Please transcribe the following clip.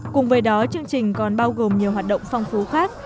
cùng với đó chương trình còn bao gồm nhiều hoạt động phong phú khác